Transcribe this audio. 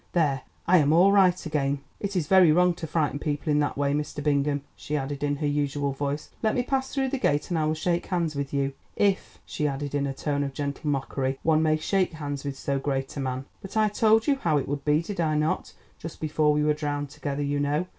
There, I am all right again. It is very wrong to frighten people in that way, Mr. Bingham," she added in her usual voice. "Let me pass through the gate and I will shake hands with you—if," she added, in a tone of gentle mockery, "one may shake hands with so great a man. But I told you how it would be, did I not, just before we were drowned together, you know?